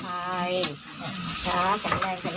นะไหว้พ่าสวดหมดไหว้พ่านะ